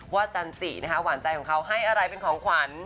จันจินะคะหวานใจของเขาให้อะไรเป็นของขวัญ